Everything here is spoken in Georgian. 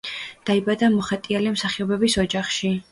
დაიბადა მოხეტიალე მსახიობების ოჯახში.